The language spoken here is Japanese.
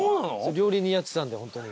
料理人やってたんで本当に。